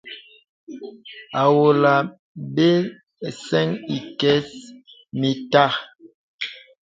À wolɔ̀ mə à səŋ ìkə̀s mìntàk.